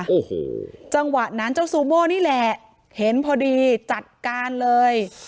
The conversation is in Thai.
โอ้โหจังหวะนั้นเจ้าซูโม่นี่แหละเห็นพอดีจัดการเลย